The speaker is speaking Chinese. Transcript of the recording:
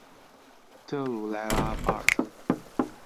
特鲁莱拉巴尔特。